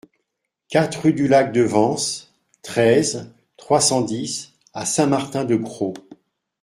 quatre rue du Lac de Vens, treize, trois cent dix à Saint-Martin-de-Crau